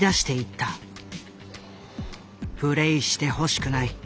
「プレイしてほしくない。